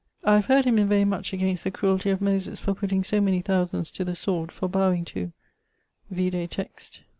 I have heard him inveigh much against the crueltie of Moyses for putting so many thousands to the sword for bowing to ... vide text.